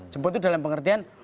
jemput itu dalam pengertian